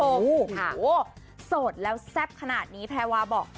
โอ้โหโสดแล้วแซ่บขนาดนี้แพรวาบอก